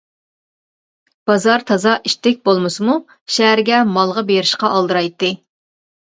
بازار تازا ئىتتىك بولمىسىمۇ شەھەرگە مالغا بېرىشقا ئالدىرايتتى.